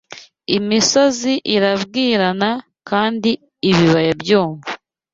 Imisozi irabwirana, kandi Ibibaya byumva